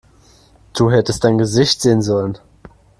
Du hättest dein Gesicht sehen sollen!